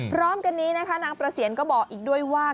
พร้อมกันนี้นะคะนางประเสียนก็บอกอีกด้วยว่า